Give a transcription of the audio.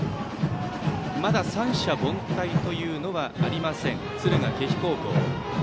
まだ三者凡退というのはありません、敦賀気比高校。